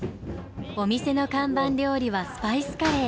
お店の看板料理はスパイスカレー。